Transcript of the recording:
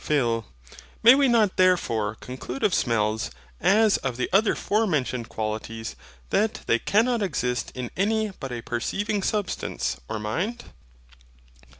PHIL. May we not therefore conclude of smells, as of the other forementioned qualities, that they cannot exist in any but a perceiving substance or mind?